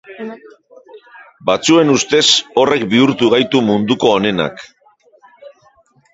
Batzuen ustez horrek bihurtu gaitu munduko onenak.